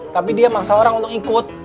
tapi dia maksa orang untuk ikut